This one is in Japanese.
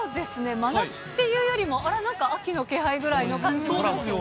真夏っていうよりもあれ、なんか秋の気配ぐらいの感じもしますよね。